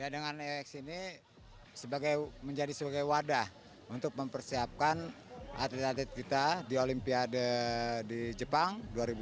dengan ex ini menjadi sebagai wadah untuk mempersiapkan atlet atlet kita di olimpiade di jepang dua ribu dua puluh